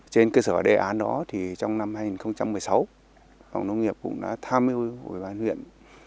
trên cơ sở đề án đó thì trong năm hai nghìn một mươi sáu phòng nông nghiệp cũng đã tham hiệu huyện